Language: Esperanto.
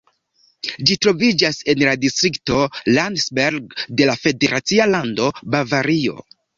Ĝi troviĝas en la distrikto Landsberg de la federacia lando Bavario.